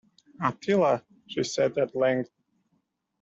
"Attila," she said at length.